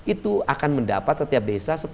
itu akan mendapat setiap desa